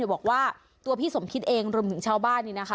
บอกว่าตัวพี่สมคิดเองรวมถึงชาวบ้านนี่นะคะ